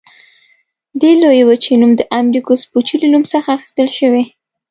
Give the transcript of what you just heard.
دې لویې وچې نوم د امریکو سپوچي له نوم څخه اخیستل شوی.